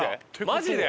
マジで？